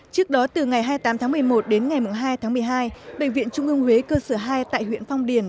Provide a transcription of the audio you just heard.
trước đó từ ngày hai mươi tám tháng một mươi một đến ngày hai tháng một mươi hai bệnh viện trung ương huế cơ sở hai tại huyện phong điền